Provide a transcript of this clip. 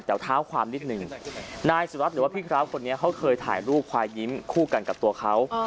แต่เท้าความนิดนึงนายสุรัสตร์หรือว่าพี่ครับคนนี้เขาเคยถ่ายรูปควายยิ้มคู่กันกับตัวเขา